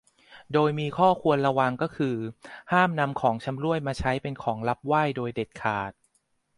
โดยมีข้อควรระวังก็คือห้ามนำของชำร่วยมาใช้เป็นของรับไหว้โดยเด็ดขาด